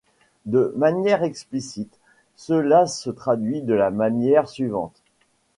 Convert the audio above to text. De manière explicite, cela se traduit de la manière suivante.